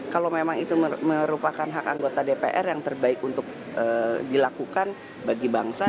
kalau memang itu merupakan hak anggota dpr yang terbaik untuk dilakukan bagi bangsa